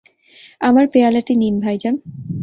আমার পেয়ালাটি নিন, ভাইজান।